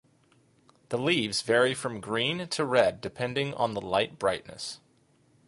The leaves vary from green to red depending on the light brightness.